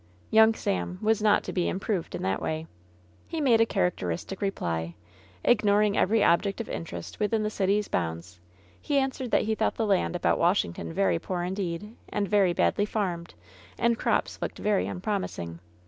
Young Sam was not to be "improved*^ in that way. He made a characteristic reply. Ignoring every object of interest within the city's bounds, he answered that he thought the land about Washington very poor indeed, and very badly farmed, and crops looked very unprom ising.